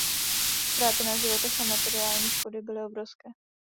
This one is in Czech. Ztráty na životech a materiální škody byly obrovské.